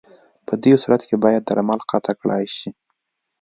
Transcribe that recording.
پدې صورت کې باید درمل قطع کړای شي.